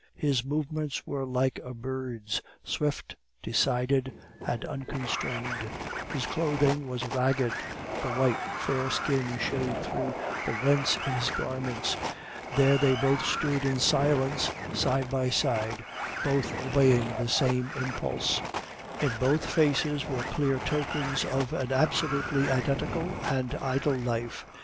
His movements were like a bird's swift, decided, and unconstrained; his clothing was ragged; the white, fair skin showed through the rents in his garments. There they both stood in silence, side by side, both obeying the same impulse; in both faces were clear tokens of an absolutely identical and idle life.